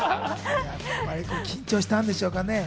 緊張したんでしょうね。